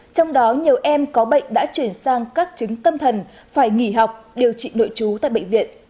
trong đó nhiều em có bệnh đã chuyển sang các chứng tâm thần phải nghỉ học điều trị nội trú tại bệnh viện